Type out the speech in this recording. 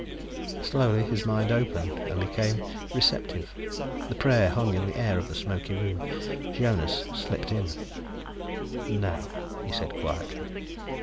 Slowly, his mind opened and became receptive. The prayer hung in the air of the smoky room. Jonas slipped in "Now," he said quietly.